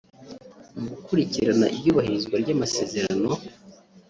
Mu gukurikirana iyubahirizwa ry’amasezerano